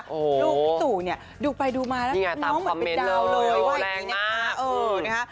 ลูกพี่ตู่เนี่ยดูไปดูมาแล้วน้องเหมือนเป็นดาวเลยว่าอย่างนี้นะคะ